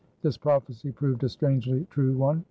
This prophecy proved a strangely true one.